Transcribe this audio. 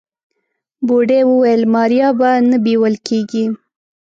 بوډۍ وويل ماريا به نه بيول کيږي.